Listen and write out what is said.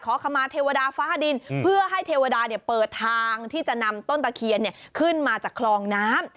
ขอขมาเทวดาฟ้าดินเพื่อให้เทวดาเปิดทางที่จะนำต้นตะเคียนขึ้นมาจากคลองน้ำ